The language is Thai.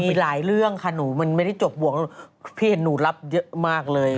มีหลายเรื่องค่ะหนูมันไม่ได้จบบวกพี่เห็นหนูรับเยอะมากเลย